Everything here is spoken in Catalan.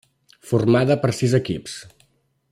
Formada per sis equips: